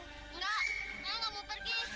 enggak saya nggak mau pergi